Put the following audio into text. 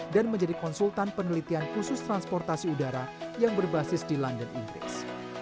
dan menjadi konsultan penelitian khusus transportasi udara yang berbasis di london inggris